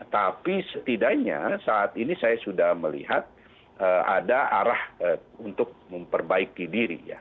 tapi setidaknya saat ini saya sudah melihat ada arah untuk memperbaiki diri ya